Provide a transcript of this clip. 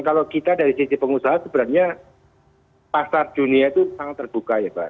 kalau kita dari sisi pengusaha sebenarnya pasar dunia itu sangat terbuka ya pak